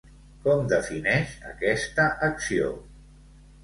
Com defineix aquesta acció?